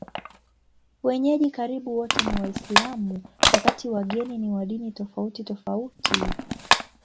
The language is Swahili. Wenyeji karibu wote ni Waislamu, wakati wageni ni wa dini tofautitofauti.